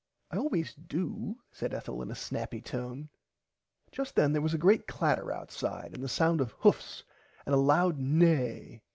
I always do said Ethel in a snappy tone. Just then there was a great clatter outside and the sound of hoofs and a loud neigh.